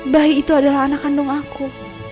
bayi itu adalah anak kandung aku